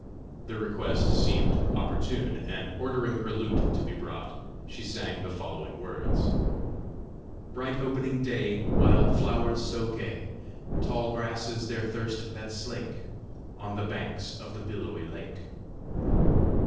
The request seemed opportune, and ordering her lute to be brought, she sang the following words: Bright opening day, Wild flowers so gay, Tall grasses their thirst that slake, On the banks of the billowy lake!